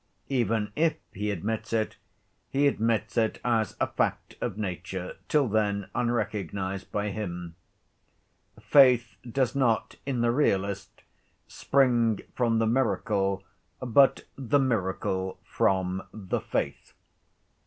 Even if he admits it, he admits it as a fact of nature till then unrecognized by him. Faith does not, in the realist, spring from the miracle but the miracle from faith.